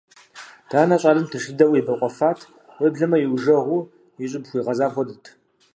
Данэ щӀалэм тынш дыдэу ебэкъуэфат, уеблэмэ иужэгъуу и щӀыб хуигъэзам хуэдэт.